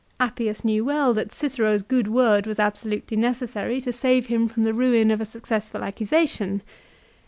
Appius knew well that Cicero's good word was absolutely necessary to save him from the ruin of a successful accusation.